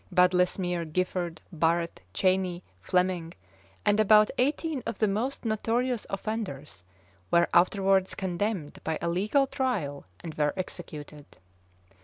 Badlesmere, Giffard, Barret, Cheyney, Fleming, and about eighteen of the most notorious offenders, were afterwards condemned by a legal trial, and were executed.